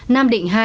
nam định hai